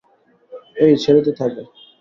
এই ছেড়ে দে তাকে!